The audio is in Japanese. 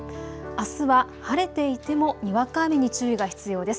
あすは晴れていてもにわか雨に注意が必要です。